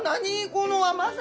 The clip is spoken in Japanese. この甘さ！